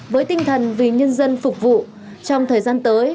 với tinh thần vì nhân dân phục vụ trong thời gian tới